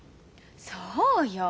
そうよ。